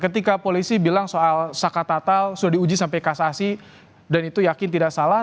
ketika polisi bilang soal saka tatal sudah diuji sampai kasasi dan itu yakin tidak salah